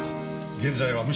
現在は無職。